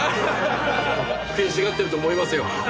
悔しがってると思いますよ。